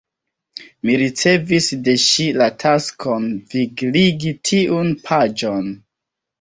Mi ricevis de ŝi la taskon vigligi tiun paĝon.